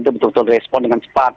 itu betul betul respon dengan cepat